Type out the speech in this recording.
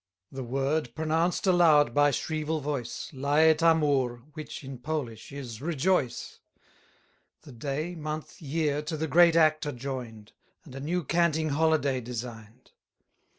The word, pronounced aloud by shrieval voice, Laetamur, which, in Polish, is rejoice. The day, month, year, to the great act are join'd: And a new canting holiday design'd.